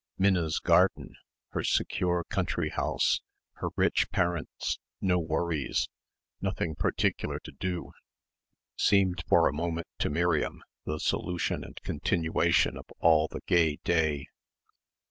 Minna's garden, her secure country house, her rich parents, no worries, nothing particular to do, seemed for a moment to Miriam the solution and continuation of all the gay day.